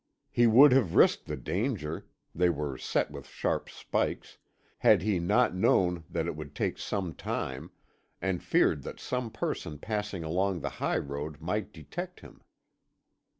He would have risked the danger they were set with sharp spikes had he not known that it would take some time, and feared that some person passing along the high road might detect him.